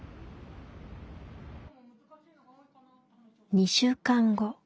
２週間後。